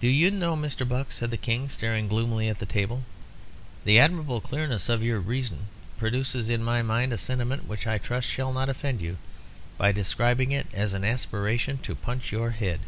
"Do you know, Mr. Buck," said the King, staring gloomily at the table, "the admirable clearness of your reason produces in my mind a sentiment which I trust I shall not offend you by describing as an aspiration to punch your head.